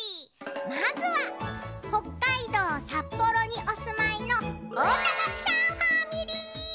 まずは北海道札幌におすまいのおおたがきさんファミリー！